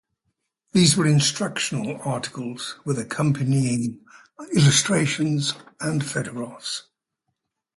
These were instructional articles with accompanying illustrations and photographs.